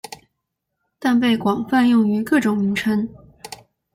但被广泛用于各种名称。